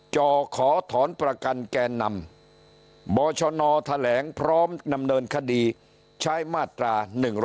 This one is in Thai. จ่อขอถอนประกันแกนนำบชนแถลงพร้อมดำเนินคดีใช้มาตรา๑๑๒